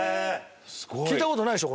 聞いた事ないでしょ？